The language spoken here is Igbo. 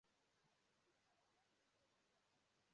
dee ha uri